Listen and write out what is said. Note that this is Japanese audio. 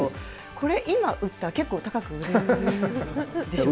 これ今売ったら結構高く売れるんでしょうか。